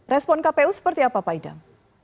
respon kpu seperti apa pak idam